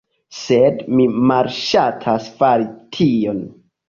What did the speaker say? Sed mi malŝatas fari tion.